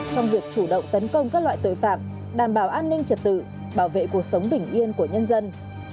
trong việc chủ động tấn công các loại tội phạm đảm bảo an ninh trật tự bảo vệ cuộc sống bình yên của nhân dân